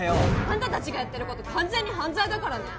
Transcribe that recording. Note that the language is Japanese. あんたたちがやってる事完全に犯罪だからね！